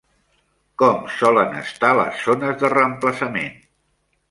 Com solen estar les zones de reemplaçament?